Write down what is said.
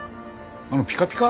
あのピカピカ？